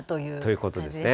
ということですね。